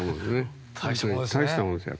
大したもんですよ